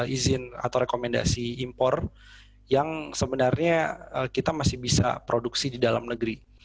izin atau rekomendasi impor yang sebenarnya kita masih bisa produksi di dalam negeri